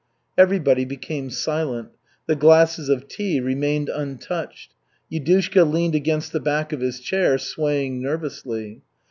Everybody became silent. The glasses of tea remained untouched. Yudushka leaned against the back of his chair, swaying nervously.